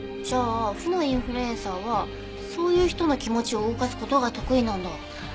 じゃあ負のインフルエンサーはそういう人の気持ちを動かす事が得意なんだ。